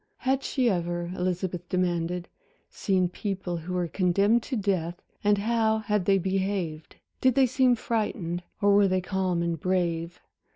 Had she ever, Elizabeth demanded, seen people who were condemned to death and how had they behaved? Did they seem frightened, or were they calm and brave?